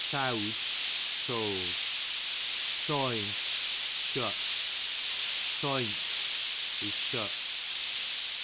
Towd, told. Toyne, shut. Toynt, is shut.